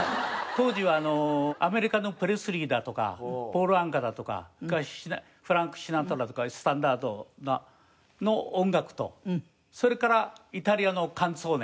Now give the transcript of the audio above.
当時はアメリカのプレスリーだとかポール・アンカだとかフランク・シナトラとかスタンダードの音楽とそれからイタリアのカンツォーネ。